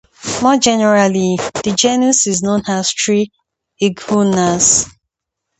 More generally, the genus is known as "tree iguanas".